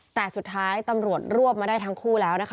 แต่สุดท้ายตำรวจรวบมาได้ทั้งคู่แล้วนะคะ